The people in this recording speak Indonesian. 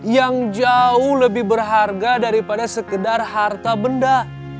yang jauh lebih berharga daripada sekedar harta benda